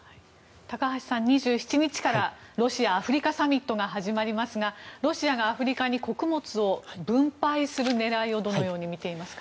高橋さん、２７日からロシア・アフリカサミットが始まりますがロシアがアフリカに穀物を分配する狙いをどのように見ていますか。